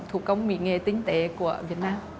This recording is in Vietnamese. thủ công mỹ nghề tinh tế của việt nam